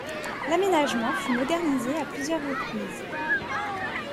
L'aménagement fut modernisé à plusieurs reprises.